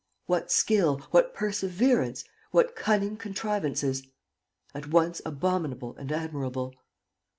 What skill, what perseverance, what cunning contrivances, at once abominable and admirable!